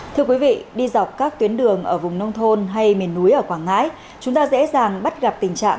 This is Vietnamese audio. thưa quý vị đi dọc các tuyến đường ở vùng nông thôn hay miền núi ở quảng ngãi chúng ta dễ dàng bắt gặp tình trạng